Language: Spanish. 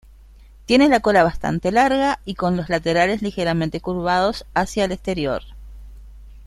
Tiene la cola bastante larga y con los laterales ligeramente curvados hacia el exterior.